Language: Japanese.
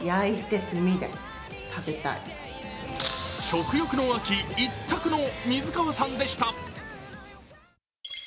食欲の秋一択の水川さんでした。